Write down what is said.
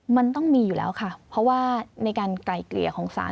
มันต้องมีอยู่แล้วค่ะเพราะว่าในการไกลเกลี่ยของสาร